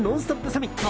サミット。